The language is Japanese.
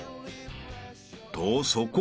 ［とそこに］